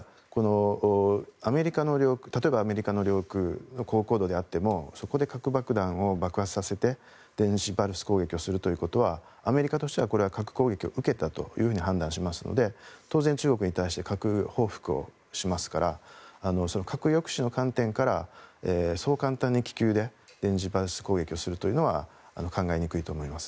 ただ、例えば、アメリカの領空の高高度であってもそこで各爆弾を爆発させて電磁パルス攻撃をすることはアメリカとしては核攻撃を受けたと判断しますので当然、中国に対して核報復をしますから核抑止の観点からそう簡単に気球で電磁パルス攻撃をすることは考えにくいと思います。